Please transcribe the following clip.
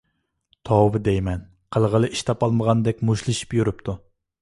توۋا دەيمەن! قىلغىلى ئىش تاپالمىغاندەك مۇشتلىشىپ يۈرۈپتۇ.